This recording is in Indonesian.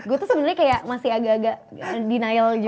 gue tuh sebenarnya kayak masih agak agak denial